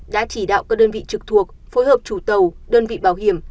đã chỉ đạo các đơn vị trực thuộc phối hợp chủ tàu đơn vị bảo hiểm